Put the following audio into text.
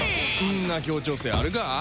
んな協調性あるか？